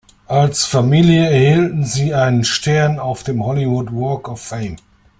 Als Familie erhielten sie einen Stern auf dem Hollywood Walk of Fame.